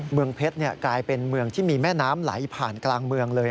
เมืองเพชรกลายเป็นเมืองที่มีแม่น้ำไหลผ่านกลางเมืองเลย